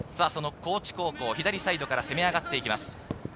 高知高校、左サイドから攻め上がっていきます。